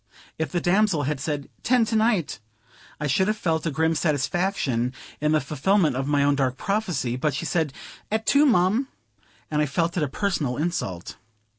If the damsel had said, "ten to night," I should have felt a grim satisfaction, in the fulfillment of my own dark prophecy; but she said, "At two, mum;" and I felt it a personal insult.